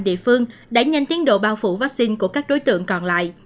địa phương đã nhanh tiến độ bao phủ vaccine của các đối tượng còn lại